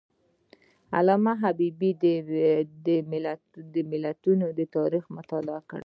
علامه حبیبي د ملتونو د تاریخ مطالعه کړې ده.